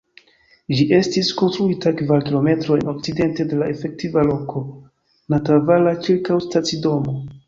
Ĝi estis konstruita kvar kilometrojn okcidente de la efektiva loko Nattavaara ĉirkaŭ stacidomo.